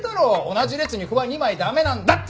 同じ列に歩は２枚ダメなんだって！